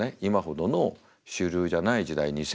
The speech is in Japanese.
今ほどの主流じゃない時代